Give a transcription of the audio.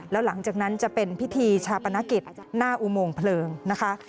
แล้วหลังจากนั้นจะเป็นพิธีชาปนกิจหน้าอุโมงเพลิงนะคะ